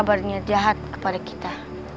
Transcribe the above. barunya jahat kepada kita